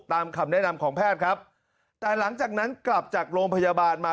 คำแนะนำของแพทย์ครับแต่หลังจากนั้นกลับจากโรงพยาบาลมา